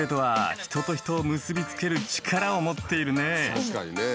確かにね。